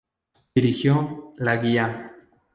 Dirigió "La Guía.